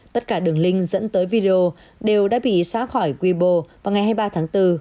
tất cả đường link dẫn tới video đều đã bị xóa khỏi quy bồ vào ngày hai mươi ba tháng bốn